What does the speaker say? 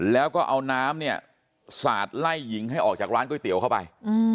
แล้วก็เอาน้ำเนี่ยสาดไล่หญิงให้ออกจากร้านก๋วยเตี๋ยวเข้าไป